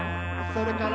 「それから」